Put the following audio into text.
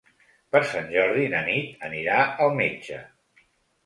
Per Sant Jordi na Nit anirà al metge.